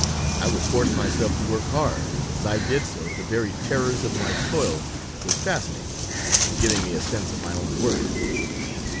I would force myself to work hard, and as I did so the very terrors of my toil would fascinate me, giving me a sense of my own worth.